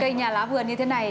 cây nhà lá vườn như thế này